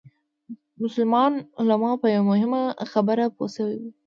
مسلمان علما په یوه مهمه خبره پوه شوي وو.